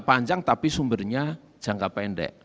panjang tapi sumbernya jangka pendek